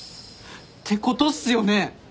てことっすよね？